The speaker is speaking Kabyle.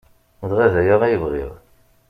Dɣa d aya ay bɣiɣ.